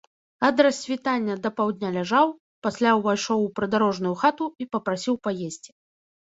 Ад рассвітання да паўдня ляжаў, пасля ўвайшоў у прыдарожную хату і папрасіў паесці.